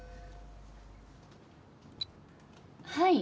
はい？